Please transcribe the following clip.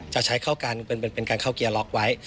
จะใช้เป็นการเข้าเกียร์ล็อกไว้